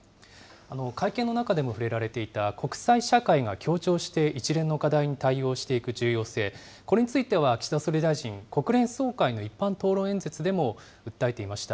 会見の中でも触れられていた国際社会が協調して一連の課題に対応していく重要性、これについては岸田総理大臣、国連総会の一般討論演説でも訴えていました。